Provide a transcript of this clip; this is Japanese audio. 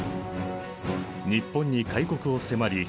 日本に開国を迫り